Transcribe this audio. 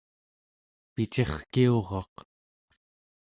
picirkiuraq